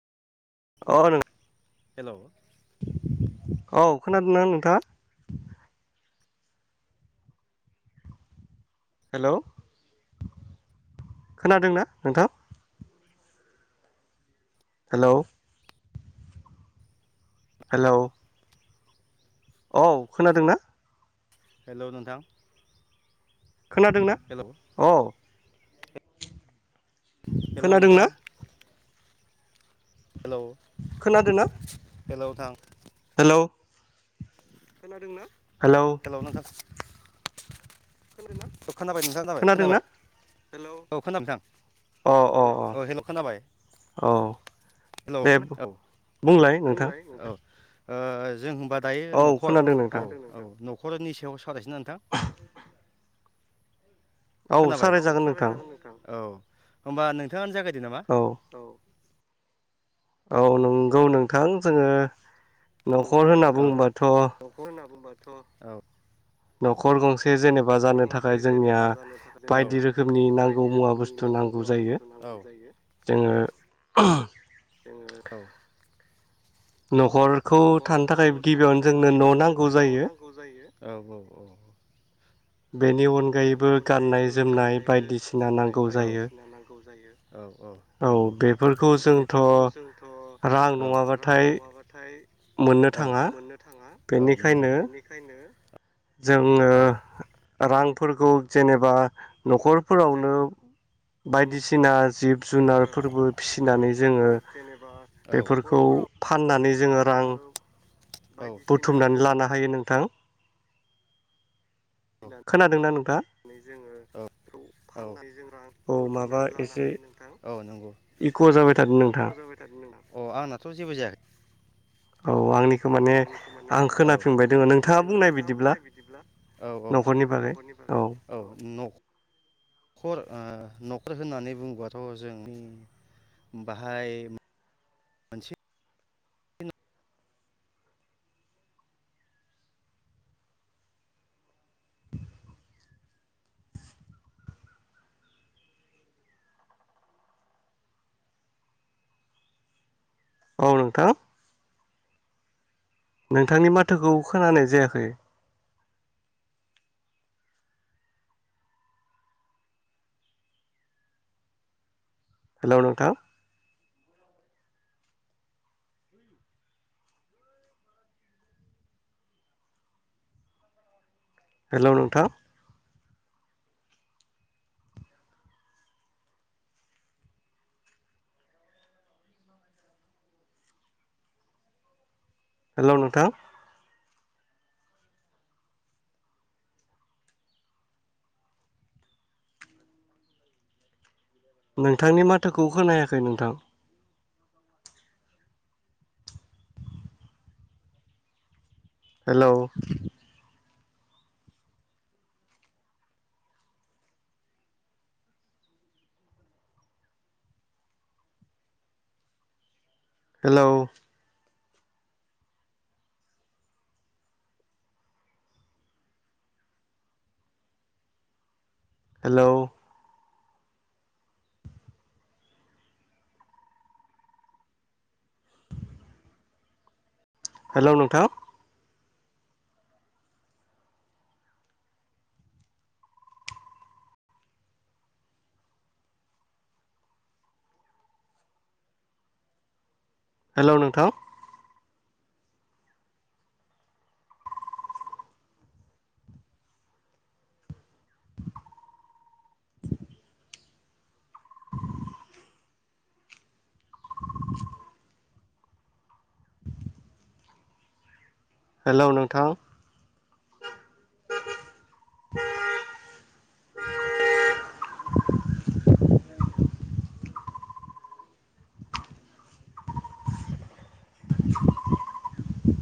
अ नों हेल' औ खोनादोंना नोंथाङा? हेलौ खोनादोंना नोंथां? हेल' हेल' औ खोनादोंना? हेल' नोंथां। खोनादोंना? हेलौ औ हेल' खोनादोंना नोंथां। हेलौ खोनादोंना हेल' नोंथां। हेलौ खोनादोंना? हेल' [inaudible] औ खोनाबाय नोंथां जाबाय खोनादोंना खोनाबाय। हेल' औ खोनादों नोंथां। अ अ अ औ हेल' खोनाबाय औ हेल' औ दे बुंलाय औ ओ जों होनबा औ न'खर खोनादों नोंथां औ औ। नखर'नि सायाव सावरायनोसै ना नोंथां? खोनाबाय औ सावरायजागोन नोंथां औ। होमबा नोंथाङानो जागाय दो नामा औ। औ नंगौ नोंथां जोङो आ न'खर नोंथां होनना जोङो बुङोबाथ' न'खर होनना बुंबा औ न'खर गंसे जेनेबा जानो थाखाय जोंनिया जेनेबा जानो थाखाय जोंनिया बायदि रोखोमनि बायदि नांगौ मुवा रोखोमनि बुस्थु नांगौ मुवा बुस्थु जायो। नांगौ जायो जोङो जोङो औ न'खरखौ थानो न'खरखौ थाखाय थानो गिबियावनो थाखाय जोंनो न' गिबियावनो नांगौ जोंनो न' जायो नांगौ जायो औ -औ-। बेनि बेनि अनगायैबो गाननाय अनगायैबो जोमनाय गाननाय ज बायदिसिना जोमनाय नांगौ जायो बायदिसिना नांगौ जायो औ- औ बेफोरखौ -औ- जोंथ' बेफोरखौ जोंथ' रां रां नङाबाथाय नङाबा। जाय। मोननो औ थाङा मोननो थाङा औ नंगौ बेनिखायनो बेनिखायनो। जोङो रां। फोरखौ जेनेबा। जों न'खरफोरावनो बायदिसिना जिब ङो जुनारफोरबो फिसिनानै रांफोरखौ जोङो जेनेबा बेफोरखौ न'खरफोरावनो फाननानै जोङो रां बायदिसिना बुथुमनानै जि लानो हायो नों। नोंथां। खोनादोंना नोंथाङा जोङो बेनानै जों रां औ माबा बुथुमनानै लानो एसे हायो नोंथां औ नंगौ इक' थादों नोंथां जाबाय थादों नों अ आंनाथ' जेबो जायाखै। औ आंनिखौ माने आं खोनाफिनबाय दोङो नोंथाङा बुंनाय बिदिब्ला। औ- औ- नखरनि बागै औ न'। न न'खर ओ न'खर होननानै बुोब्लाथ' जों बाहाय। मोनसे औ नोंथां। नोंथांनि माथोखौ खोनानाय जायाखै। हेल' नोंथां। हेल' नोंथां। हेल' नोंथां। नोंथांनि माथोखौ खोनायाखै नोंथां। हेलौ। हेलौ। हेलौ। हेल' नोंथां। हेल' नोंथां। हेल' नोंथां।